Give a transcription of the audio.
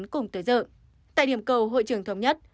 cùng tới giờ tại điểm cầu hội trường thống nhất